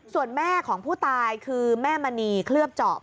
ส่วนแม่ของผู้ตายคือแม่มณีเคลือบเจาะ